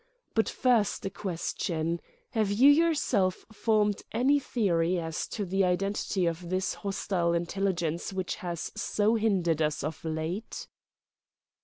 But first, a question: Have you yourself formed any theory as to the identity of this hostile intelligence which has so hindered us of late?"